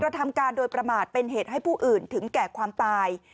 ทำการโดยประมาทเป็นเหตุให้ผู้อื่นถึงแก่ความตาย